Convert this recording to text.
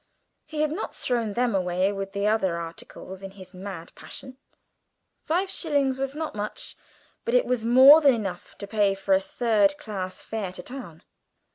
He had not thrown them away with the other articles in his mad passion. Five shillings was not much, but it was more than enough to pay for a third class fare to town.